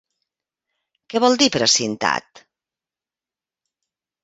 Què vol dir, precintat?